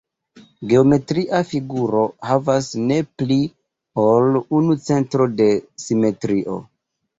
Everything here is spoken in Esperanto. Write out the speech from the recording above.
Geometria figuro havas ne pli ol unu centro de simetrio.